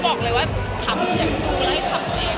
บอกเลยว่าทำอย่างดูหลายคำตัวเอง